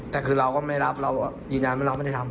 แต่คือเราก็ไม่รับเรายืนยันว่าเราไม่ได้ทำ